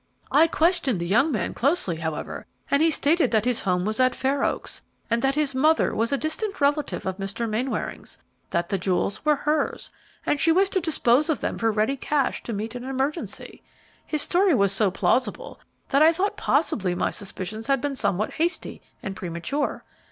I questioned the young man closely, however, and he stated that his home was at Fair Oaks, and that his mother was a distant relative of Mr. Mainwaring's; that the jewels were hers, and she wished to dispose of them for ready cash to meet an emergency. His story was so plausible that I thought possibly my suspicions had been somewhat hasty and premature.